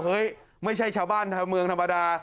เฮ้ยไม่ใช่ชาวบ้านแถวเมืองธรรมดา